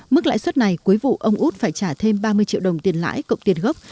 mức lãi suất này cuối vụ ông út phải trả thêm ba mươi triệu đồng tiền lãi cộng tiền gốc